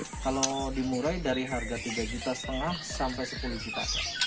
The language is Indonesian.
kalau di murai dari harga tiga lima juta sampai sepuluh juta